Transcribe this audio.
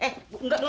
eh enggak dulu